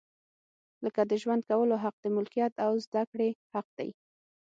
لکه د ژوند کولو حق، د ملکیت او زده کړې حق دی.